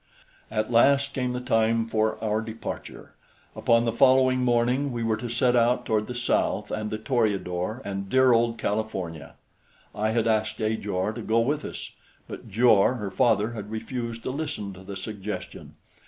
At last came the time for our departure; upon the following morning we were to set out toward the south and the Toreador and dear old California. I had asked Ajor to go with us; but Jor her father had refused to listen to the suggestion.